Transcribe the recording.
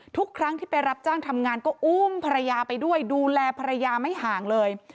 ทุกครั้งที่ไปรับจ้างทำงานก็อุ้มภรรยาไปด้วยดูแลภรรยาไม่ห่างเลย